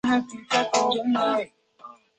增加了画面许多动感